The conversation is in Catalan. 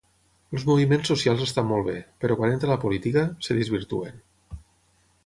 Els moviments socials estan molt bé, però quan entra la política, es desvirtuen.